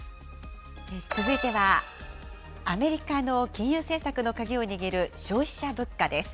続いては、アメリカの金融政策の鍵を握る消費者物価です。